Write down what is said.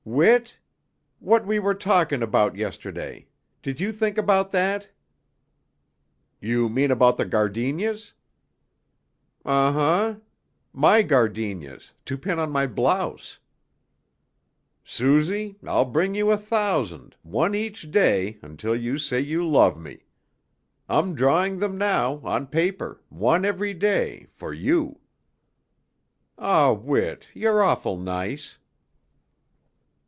"Whit? What we were talking about yesterday. Did you think about that?" "You mean about the gardenias?" "Umhummm. My gardenias, to pin on my blouse." "Suzy, I'll bring you a thousand, one each day, until you say you love me. I'm drawing them now, on paper, one every day, for you." "Aw, Whit, you're awful nice."